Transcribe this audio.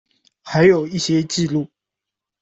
还有一些记录